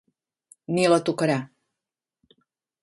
Ni la tocarà.